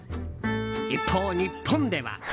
一方、日本では。